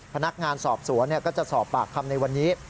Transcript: พนักงานสอบสวนก็จะสอบปากคำในวันนี้